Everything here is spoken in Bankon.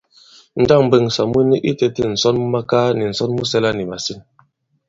Njâŋ m̀mbwèŋsà mu ni itētē ǹsɔnmakaa nì ǹsɔn mu sɛla nì màsîn?